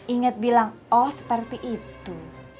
ingat bilang oh seperti itu